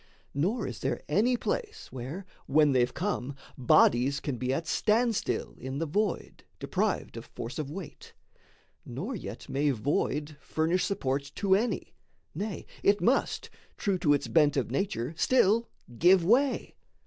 Nor is there any place, where, when they've come, Bodies can be at standstill in the void, Deprived of force of weight; nor yet may void Furnish support to any, nay, it must, True to its bent of nature, still give way.